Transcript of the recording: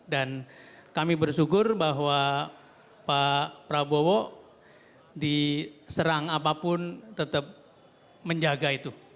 dan kami bersyukur bahwa pak prabowo diserang apapun tetap menjaga itu